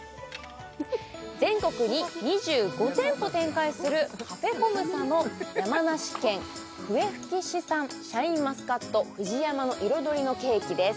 全国に２５店舗展開するカフェコムサの山梨県笛吹市産シャインマスカット「ふじやまの彩」のケーキです